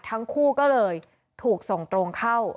ทั้งคู่ก็เลยถูกส่งตรงเข้า